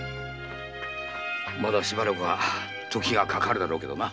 まだしばらくは時がかかるだろうけどな。